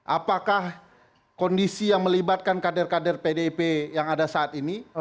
apakah kondisi yang melibatkan kader kader pdip yang ada saat ini